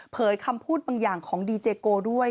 คำพูดบางอย่างของดีเจโกด้วย